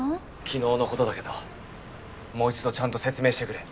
昨日のことだけどもう一度ちゃんと説明してくれ。